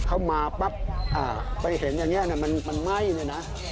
เข้ามาปั๊บไปเห็นอย่างนี้มันไหม้เลยนะ